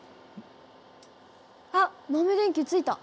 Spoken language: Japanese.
あっ豆電球ついた。